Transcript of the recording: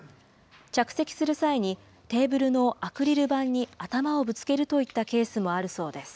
着席する際にテーブルのアクリル板に頭をぶつけるといったケースもあるそうです。